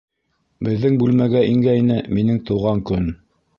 Беҙҙең бүлмәгә ингәйне, минең тыуған көн...